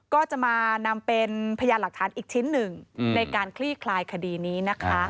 ก็จะมานำเป็นพยานหลักฐานอีกชิ้นหนึ่งในการคลี่คลายคดีนี้นะคะ